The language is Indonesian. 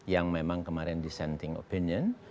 yang memang kemarin dissenting opinion